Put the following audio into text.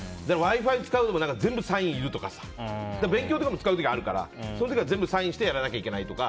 Ｗｉ‐Ｆｉ使うのも全部サインいるとか勉強でも使う時あるからそういう時はサインしなきゃいけないとか。